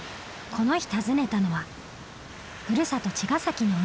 この日訪ねたのはふるさと茅ヶ崎の海。